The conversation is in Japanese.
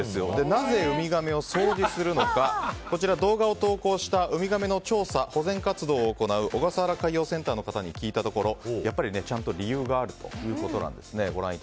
なぜ、ウミガメを掃除するのかこちら、動画を投稿したウミガメの調査・保全活動を行う小笠原海洋センターの方に聞いたところやっぱりちゃんと理由があるということなんです。